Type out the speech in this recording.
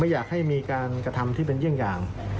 ไม่อยากให้มีการกระทำที่เป็นเรื่องกลาง